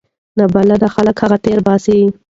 نابلده خلک هغه تیر باسي.